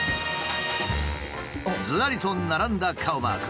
ずらりと並んだ顔マーク。